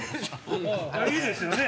いいですよね。